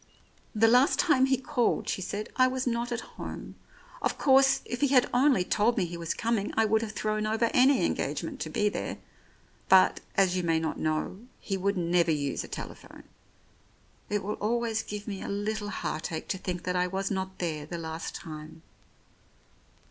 "And the last time he called," she said, "I was not at home. Of course, if he had only told me he was coming, I would have thrown over any engage ment to be there, but, as you may not know, he would never use a telephone. It will always give me a little heartache to think that I was not there the last time."